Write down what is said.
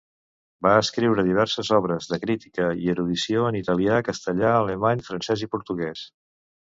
Va escriure diverses obres de crítica i erudició en italià, castellà, alemany, francès i portuguès.